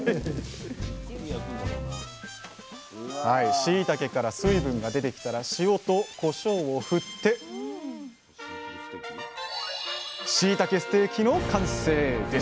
しいたけから水分が出てきたら塩とこしょうをふってしいたけステーキの完成です！